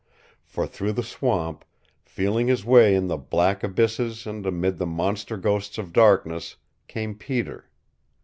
For through the swamp, feeling his way in the black abysses and amid the monster ghosts of darkness, came Peter.